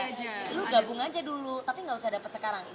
lu gabung aja dulu tapi nggak usah dapat sekarang